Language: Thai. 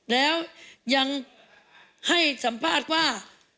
แล้วยังให้สัมภาษณ์ว่า